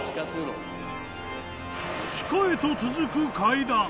地下へと続く階段。